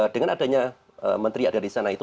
dengan adanya menteri ada di sana itu